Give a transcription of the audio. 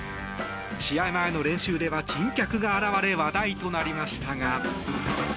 試合前の練習では珍客が現れ話題となりましたが。